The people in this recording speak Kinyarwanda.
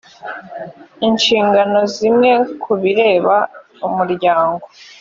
inshingano zimwe ku bireba umuryango